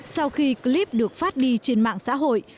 sau khi clip được phát đi trên mạng xã hội